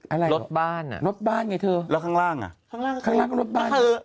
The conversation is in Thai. อะไรรถบ้านอ่ะรถบ้านไงเธอแล้วข้างล่างอ่ะข้างล่างข้างล่างก็รถบ้านเธอ